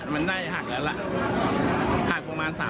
เมื่อเมื่อเมื่อ